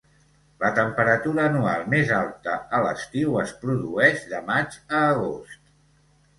La temperatura anual més alta a l'estiu es produeix de maig a agost.